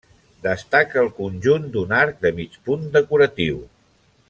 Destaca el conjunt d'un arc de mig punt decoratiu.